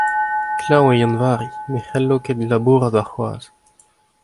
klañv eo Yann-Vari, ne c'hallo ket labourat warc'hoazh.